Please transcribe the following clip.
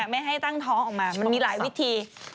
ไม่ให้ตั้งท้องออกมามันมีหลายวิธี